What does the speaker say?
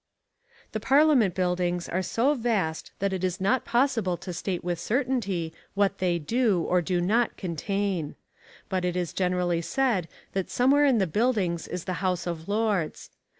The Parliament Buildings are so vast that it is not possible to state with certainty what they do, or do not, contain. But it is generally said that somewhere in the building is the House of Lords.